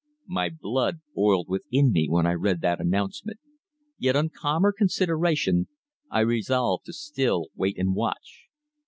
My blood boiled within me when I read that announcement. Yet on calmer consideration, I resolved to still wait and watch.